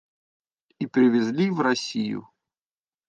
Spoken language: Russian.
И привезли в Россию.